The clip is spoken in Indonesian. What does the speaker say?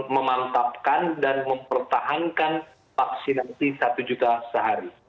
memantapkan dan mempertahankan vaksinasi satu juta sehari